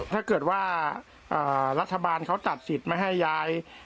ถ้าเกิดว่ารัฐบาลเขาตัดสิทธิ์ไม่ให้ย้าย